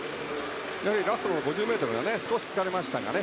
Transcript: ラストの５０ｍが少し疲れましたかね。